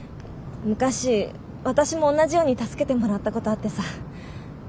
昔私も同じように助けてもらったことあってさ。